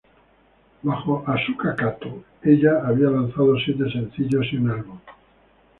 Bajo Asuka Katō, ella había lanzado siete sencillos y un álbum.